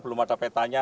belum ada petanya